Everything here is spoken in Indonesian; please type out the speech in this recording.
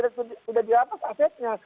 sudah dilapas asetnya